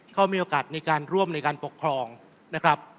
เขามีโอกาสในการร่วมในการปกครองนะครับ